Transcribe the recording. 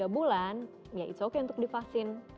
tiga bulan ya it's okay untuk divaksin